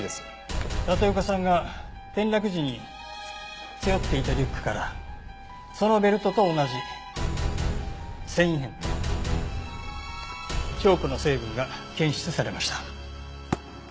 立岡さんが転落時に背負っていたリュックからそのベルトと同じ繊維片とチョークの成分が検出されました。